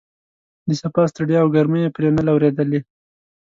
د سفر ستړیا او ګرمۍ یې پرې نه لورېدلې.